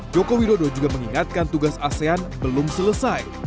joko widodo juga mengingatkan tugas asean belum selesai